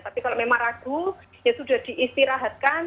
tapi kalau memang ragu ya sudah diistirahatkan